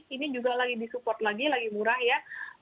ini juga lagi di support lagi lagi murah ya